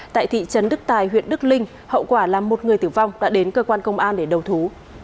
tại thị trấn đức tài huyện đức linh hậu quả là một người tử vong đã đến cơ quan công an để đầu thú